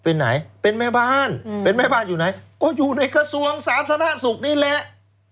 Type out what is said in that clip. เป็นไหนเป็นแม่บ้านเป็นแม่บ้านอยู่ไหนก็อยู่ในกระทรวงสาธารณสุขนี่แหละ